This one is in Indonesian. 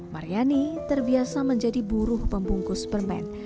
maryani terbiasa menjadi buruh pembungkus permen